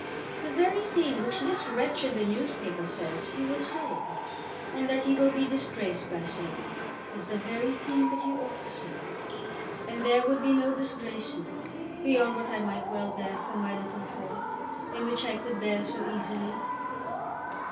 The very thing which this wretch in the newspaper says he will say, and that he will be disgraced by saying, is the very thing that he ought to say. And there would be no disgrace in it, beyond what I might well bear for my little fault, and which I could bear so easily."